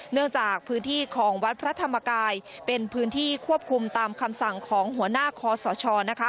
เนื่องจากพื้นที่ของวัดพระธรรมกายเป็นพื้นที่ควบคุมตามคำสั่งของหัวหน้าคอสชนะคะ